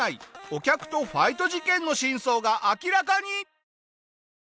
お客とファイト事件の真相が明らかに。